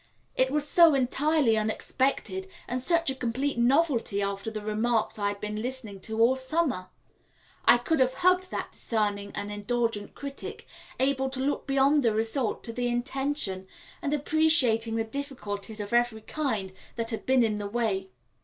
It was so entirely unexpected, and such a complete novelty after the remarks I have been listening to all the summer. I could have hugged that discerning and indulgent critic, able to look beyond the result to the intention, and appreciating the difficulties of every kind that had been in the way.